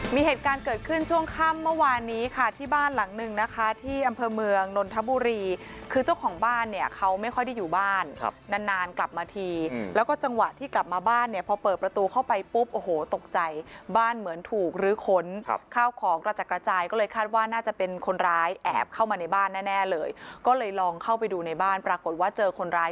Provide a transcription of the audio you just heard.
มีเหตุการณ์เกิดขึ้นช่วงค่ำเมื่อวานนี้ค่ะที่บ้านหลังนึงนะคะที่อำเภอเมืองนทบุรีคือเจ้าของบ้านเนี่ยเขาไม่ค่อยได้อยู่บ้านครับนานกลับมาทีแล้วก็จังหวะที่กลับมาบ้านเนี่ยพอเปิดประตูเข้าไปปุ๊บโอ้โหตกใจบ้านเหมือนถูกหรือขนครับข้าวของกระจักรจายก็เลยคาดว่าน่าจะเป็นคนร้ายแอบเข้ามาในบ้านแ